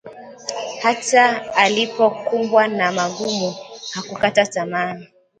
hata alipokumbwa na magumu, hakukata tamaa